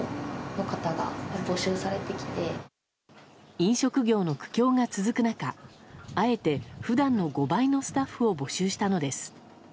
飲食業の苦境が続く中あえて普段の５倍のスタッフを募集したのです。